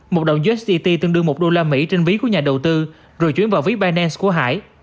một đồng usdt tương đương một đô la mỹ trên ví của nhà đầu tư rồi chuyển vào ví binance của hải